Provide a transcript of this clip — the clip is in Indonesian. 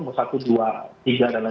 mau satu dua tiga dan lain lain